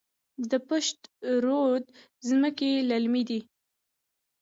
د پشت رود ځمکې للمي دي